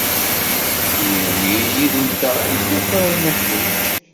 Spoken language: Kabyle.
Niwi yid-nteɣ ayen akk ara niḥwiǧ.